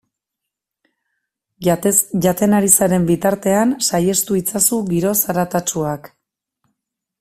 Jaten ari zaren bitartean saihestu itzazu giro zaratatsuak.